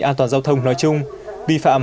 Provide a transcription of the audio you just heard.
an toàn giao thông nói chung vi phạm